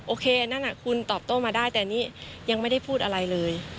โอเคนั่นคุณตอบโต้มาได้แต่นี่ยังไม่ได้พูดอะไรเลย